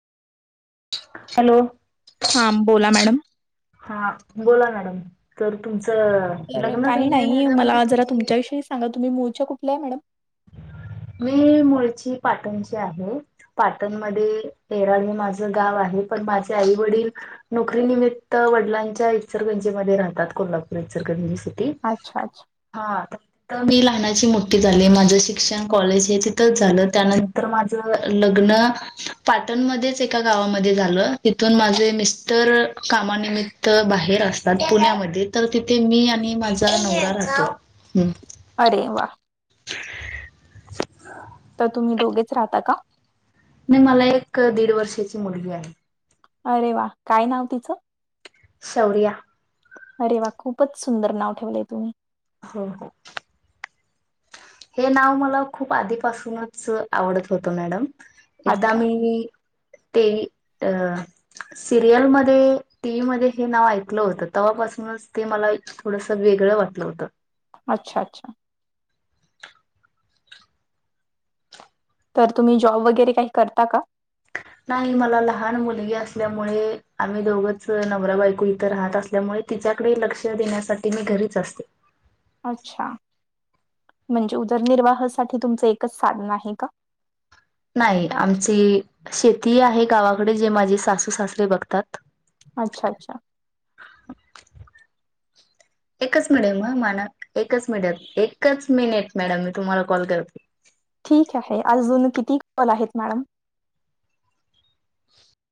Hello हा बोला madam. हा बोला मॅडम कर तुमच तर काही नाही मला जरा तुम्ही तुमच्याविषयी सांगत. तुम्ही मूळच्या कुठल्या आहे मॅडम मी मुळची पाटणची आहे. पाटणमध्येध्ये येराड हे माझं गाव आहे. पण माझे आई वडील नोकरीनिमित्त वडिलांच्या इचलकरंजी मध्ये राहतात कोल्हापूर इचलकरंजी. ती अच्छा अच्छा हा तर मी लहानाची मुठी झाली माझं शिक्षण कॉलेज हे तिथंच झालं त्यानंतर माझं लग्न पाटणमध्येच एका गावामध्ये झालं तिथून माझे मिस्टर कामानिमित्त बाहेर असतात पुण्यामध्ये तर तिथे मी आणि माझा नवरा राहतो. अरे वा [inaudible] तर तुम्ही दोघेच राहता का, नाही मला एक दीड वर्षाची मुलगी आहे. अरे! वा काय नाव तिचं? शौर्या. अरे! वा खूपच सुंदर नाव ठेवलेय तुम्ही? हो हो. हे नाव मला खूप आधी पासूनच आवडत होतं मॅडम. एकदा अच्छा मी ते अ सिरियल मध्ये टीव्ही मध्ये हे नाव ऐकलं होतं, तेव्हा पासूनच ते मला थोडसं वेगळं वाटलं होतं. अच्छा अच्छा! तर तुम्ही जॉब वगैरे काही करता का? नाही मला लहान मुलगी असल्यामुळे आम्ही दोघंच नवरा बायकू इथं राहत असल्यामुळे, तिच्याकडे लक्ष देण्यासाठी मी घरीच असते. अच्छा! म्हणजे उदरनिर्वाहासाठी तुमचं एकच साधन आहे का? नाही आमची शेती आहे, गावाकडे जे माझे सासू- सासरे बघतात. अच्छा अच्छा! एकच मिडम ह मानम एकचं मिडम एकच मिनिटं मॅडम मी तुम्हाला कॉल करते. ठीक आहे, अजून किती कॉल आहेत मॅडम. [inaudible]